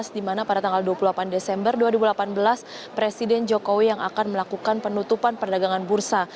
di mana pada tanggal dua puluh delapan desember dua ribu delapan belas presiden jokowi yang akan melakukan penutupan perdagangan bursa